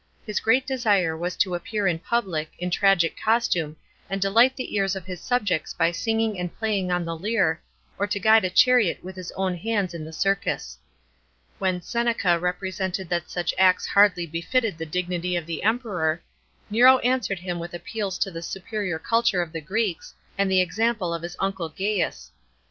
His gnat desire was to appear in public, in tragic costume, and delight the ears of his subjects by singing and playing )n the lyre, or to guide a chariot with his own hands in the circus. When Seneca represented that such acts hardly befitted the dignity of the Emperor, Nero answered him with appeals to the superior culture of the Greeks, and the example of his uncle Gaius.